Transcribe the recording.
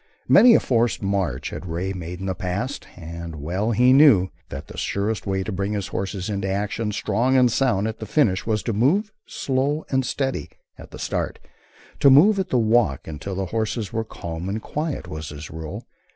Many a forced march had Ray made in the past, and well he knew that the surest way to bring his horses into action, strong and sound at the finish, was to move "slow and steady" at the start, to move at the walk until the horses were calm and quiet, was his rule.